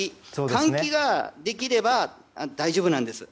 換気ができれば大丈夫なんです。